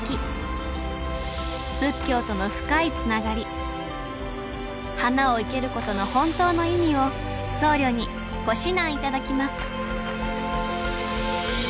仏教との深いつながり花を生けることの本当の意味を僧侶にご指南頂きます